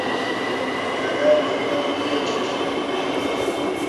کاکا یې په خندا ورته وویل چې پوښتنه دې بیخي غلطه ده.